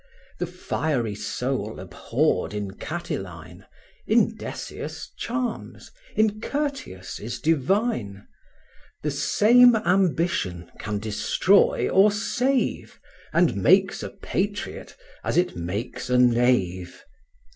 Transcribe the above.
The fiery soul abhorred in Catiline, In Decius charms, in Curtius is divine: The same ambition can destroy or save, And makes a patriot as it makes a knave.